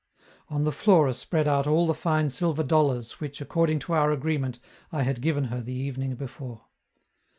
On the floor are spread out all the fine silver dollars which, according to our agreement, I had given her the evening before.